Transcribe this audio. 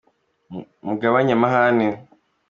Mugabanye amahane